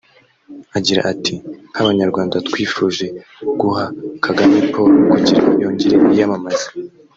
Agira ati “Nk’Abanyarwanda twifuje guha Kagame Paul kugira yongere yiyamamaze